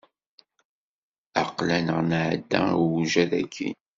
Aql-aneɣ nɛedda i uwjad akkin.